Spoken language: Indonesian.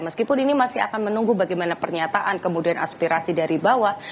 meskipun ini masih akan menunggu bagaimana pernyataan kemudian aspirasi dari bawah